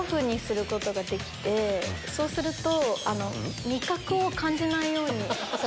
そうすると。